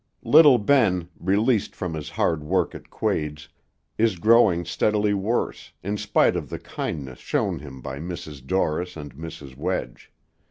Little Ben, released from his hard work at Quade's, is growing steadily worse, in spite of the kindness shown him by Mrs. Dorris and Mrs. Wedge.